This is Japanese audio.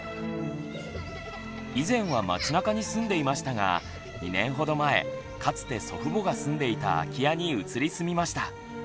以前は街なかに住んでいましたが２年ほど前かつて祖父母が住んでいた空き家に移り住みました。